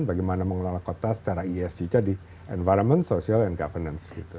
bagaimana mengelola kota secara esg jadi environment social and governance gitu